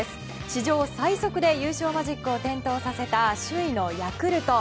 史上最速で優勝マジックを点灯させた首位のヤクルト。